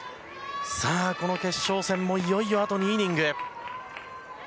この決勝戦もいよいよあと２イニング。